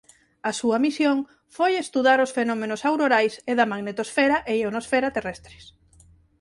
A súa misión foi estudar os fenómenos aurorais e da magnetosfera e ionosfera terrestres.